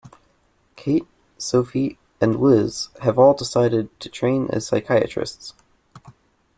Kate, Sophie and Liz have all decided to train as psychiatrists.